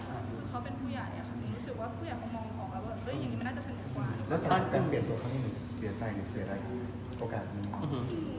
นี่คือเขาเป็นผู้ใหญ่อะค่ะหนูรู้สึกว่าผู้ใหญ่เขามองของแบบแบบเอาอีกอย่างนี่มันอาจจะชนิดกว่า